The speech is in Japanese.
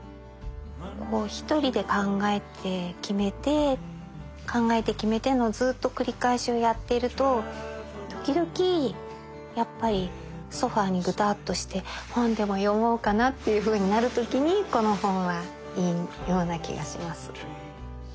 こう一人で考えて決めて考えて決めてのずっと繰り返しをやっていると時々やっぱりソファーにグタッとして本でも読もうかなっていうふうになる時にこの本はいいような気がします。